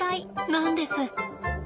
なんです。